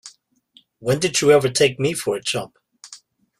When did you ever take me for a chump?